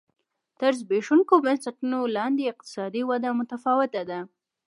تر زبېښونکو بنسټونو لاندې اقتصادي وده متفاوته ده.